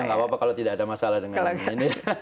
nggak apa apa kalau tidak ada masalah dengan ini